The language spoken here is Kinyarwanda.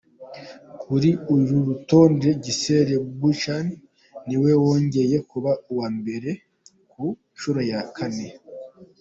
Kuri uru rutonde, Gisele Bündchen niwe wongeye kuba uwa mbere ku nshuro ya kane.